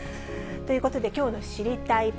ということで、きょうの知りたいッ！